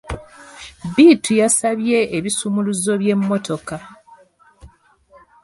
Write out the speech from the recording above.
Bittu yamusaba ebisumuluzo by'emmotoka.